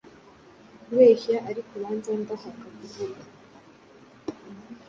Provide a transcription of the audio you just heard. Kubehya Ariko ubanza ndahaka kuvuga